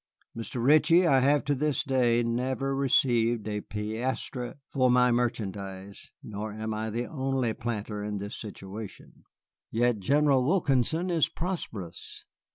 Mr. Ritchie, I have to this day never received a piastre for my merchandise, nor am I the only planter in this situation. Yet General Wilkinson is prosperous."